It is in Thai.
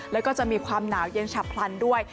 แล้วก็จะมีความหนาวเย็นฉับพลันด้วย